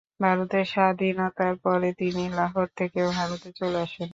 ভারতের স্বাধীনতার পরে তিনি লাহোর থেকে ভারতে চলে আসেন।